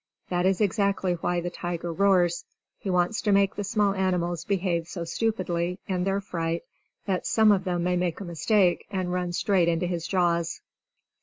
That is exactly why the tiger roars he wants to make the small animals behave so stupidly, in their fright, that some of them may make a mistake and run straight into his jaws.